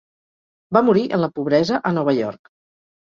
Va morir en la pobresa a Nova York.